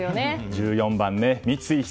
１４番、三井寿。